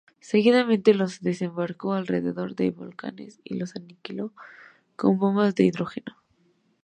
Seguidamente, los desembarcó alrededor de volcanes y los aniquiló con bombas de hidrógeno.